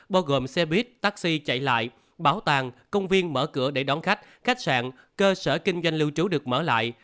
bao gồm xe buýt taxi chạy lại bảo tàng công viên mở cửa để đón khách khách sạn cơ sở kinh doanh lưu trú được mở lại